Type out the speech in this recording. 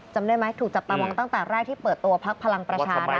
จำได้ไหมถูกจับตามองตั้งแต่แรกที่เปิดตัวพักพลังประชารัฐ